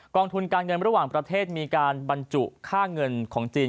องทุนการเงินระหว่างประเทศมีการบรรจุค่าเงินของจีน